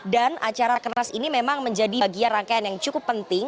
dan acara raker nas ini memang menjadi bagian rangkaian yang cukup penting